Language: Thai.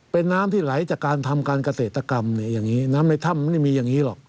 เป็นน้ำที่ไหลจากการทำการเกษตรกรรมเนี่ยอย่างนี้น้ำในถ้ำไม่มีอย่างนี้หรอก